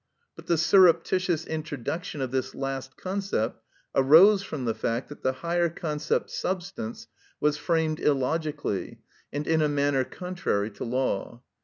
But the surreptitious introduction of this last concept arose from the fact that the higher concept substance was framed illogically, and in a manner contrary to law.